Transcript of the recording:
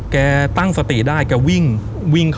แกตั้งสติได้แกวิ่ง